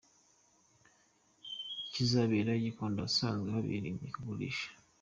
Kizabera : Gikondo ahasanzwe habera imurikagurisha.